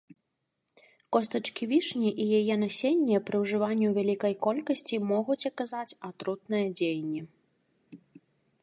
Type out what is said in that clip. Костачкі вішні і яе насенне пры ўжыванні ў вялікай колькасці могуць аказаць атрутнае дзеянне.